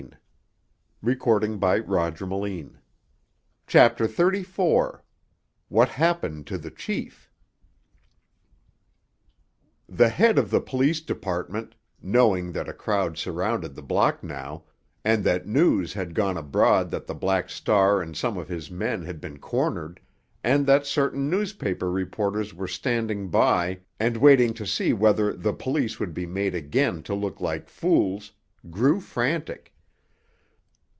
"I'm going up again to see!" CHAPTER XXXIV—WHAT HAPPENED TO THE CHIEF The head of the police department, knowing that a crowd surrounded the block now, and that news had gone abroad that the Black Star and some of his men had been cornered, and that certain newspaper reporters were standing by and waiting to see whether the police would be made again to look like fools, grew frantic.